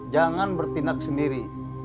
jangan bertindak sendiri